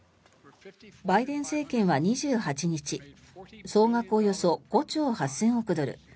バイデン政権は２８日総額およそ５兆８０００億ドル